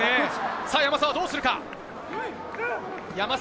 山沢はどうするか？